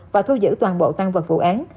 và thu giữ toàn bộ toàn vật vụ án